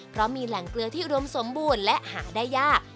เพราะมีแหล่งเกลือที่อุดมสมบูรณ์และหาได้ยาก